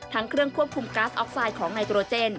เครื่องควบคุมก๊าซออกไซด์ของไนโตรเจน